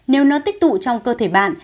nếu nó tích tụ trong cơ thể bạn